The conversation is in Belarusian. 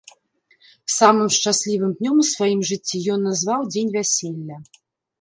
Самым шчаслівым днём у сваім жыццё ён назваў дзень вяселля.